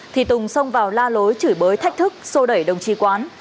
thì tùng xông vào la lối chửi bới thách thức sô đẩy đồng chí quán